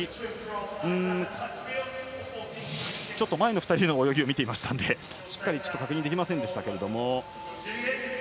前の２人の泳ぎを見ていましたのでしっかり確認できませんでしたが。